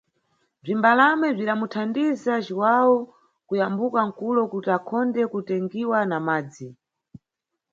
Bzimbalame bzidamuthandiza Juwawu kuyambuka nʼkulo kuti akhonde kutengiwa na madzi.